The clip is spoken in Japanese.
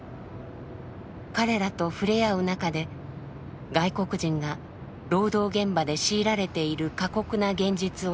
彼らとふれあう中で外国人が労働現場で強いられている過酷な現実を知ります。